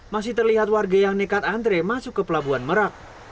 masih terlihat warga yang nekat antre masuk ke pelabuhan merak